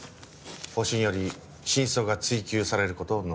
保身より真相が追及される事を望みました。